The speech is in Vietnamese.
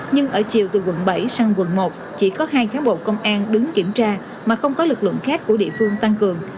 nhưng ở chiều từ quận bảy sang quận một chỉ có hai cán bộ công an đứng kiểm tra mà không có lực lượng khác của địa phương tăng cường